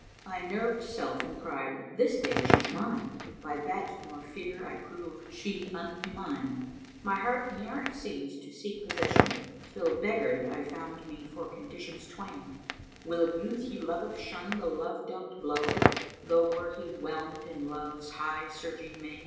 I nervčd self and cried, 'This day she's mine' * By bet, nor fear I prove she unhumŕne: My heart ne'er ceased to seek possession, till * Beggared I found me for conditions twain: Will youth you loveth shun the Love dealt blow, * Tho' were he whelmed in Love's high surging main?